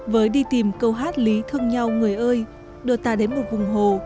với đi tìm câu hát lý thương nhau người ơi đưa ta đến một vùng hồ